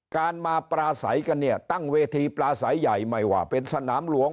การมาปลาใสกันเนี่ยตั้งเวทีปลาใสใหญ่ไม่ว่าเป็นสนามหลวง